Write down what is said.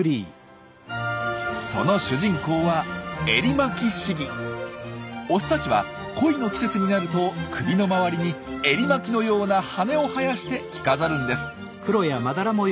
その主人公はオスたちは恋の季節になると首の周りにエリマキのような羽を生やして着飾るんです。